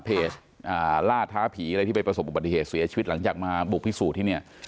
ล่าท้าผีอะไรที่ไปประสบอุบัติเหตุเสียชีวิตหลังจากมาบุกพิสูจน์ที่เนี่ย